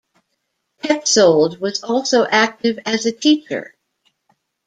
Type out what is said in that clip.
Petzold was also active as a teacher.